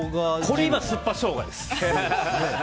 これ、今すっぱショウガです。